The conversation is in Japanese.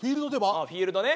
あっフィールドね。